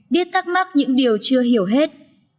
biết thắc mắc những điều chưa hiểu hết